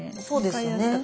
そうですよね。